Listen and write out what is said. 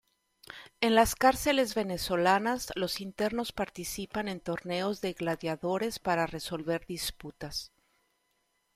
En las cárceles venezolanas, los internos participan en torneos de gladiadores para resolver disputas.